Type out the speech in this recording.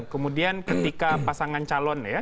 kemudian ketika pasangan calon ya